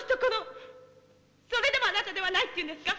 それでもあなたではないって言うんですか！